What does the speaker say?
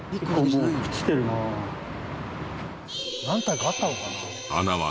何体かあったのかな？